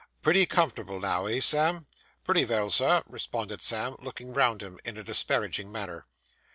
'Pretty comfortable now, eh, Sam?' 'Pretty vell, sir,' responded Sam, looking round him in a disparaging manner.